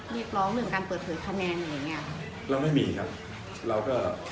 เรียกร้องเรื่องการเปิดเผยคะแนนอะไรอย่างเงี้ยเราไม่มีครับเราก็